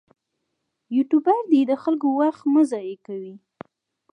یوټوبر دې د خلکو وخت مه ضایع کوي.